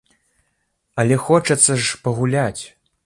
Але хочацца ж пагуляць!